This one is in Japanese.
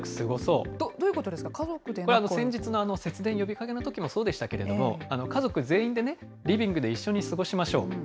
どういうことですか、家族でこれ、先日の節電呼びかけのときもそうでしたけれども、家族全員でリビングで一緒に過ごしましょう。